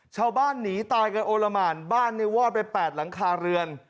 ชาวบ้านหนีตายกันโอละหมานบ้านเนี่ยวอดไป๘หลังคาเรือน